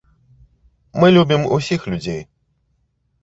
Мы любім усіх людзей.